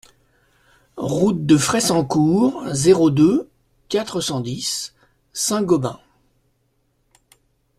Route de Fressancourt, zéro deux, quatre cent dix Saint-Gobain